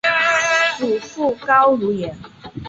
祖父董孚言。